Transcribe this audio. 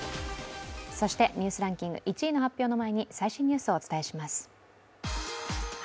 そしてニュースランキング１位の発表の前に最新ニュースをお伝えします。